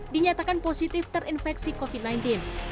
dinyatakan positif terinfeksi covid sembilan belas